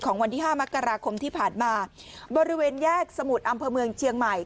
วันที่ห้ามกราคมที่ผ่านมาบริเวณแยกสมุทรอำเภอเมืองเชียงใหม่